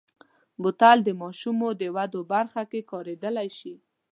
بوتل د ماشومو د ودې برخه کې کارېدلی شي.